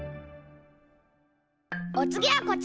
おつぎはこちら！